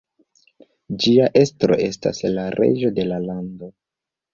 Ĝia estro estas la reĝo de la lando.